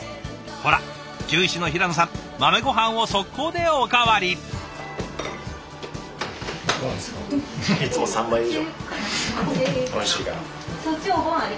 ほら獣医師の平野さん豆ごはんを即行でおかわり。